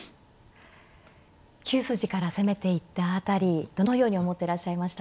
９筋から攻めていった辺りどのように思ってらっしゃいましたか。